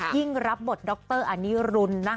ยิ่งรับบทดรอันนี้รุนนะ